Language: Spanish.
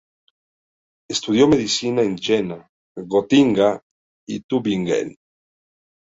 Estudió medicina en Jena, Gotinga y Tübingen.